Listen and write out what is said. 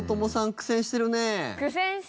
苦戦してるね。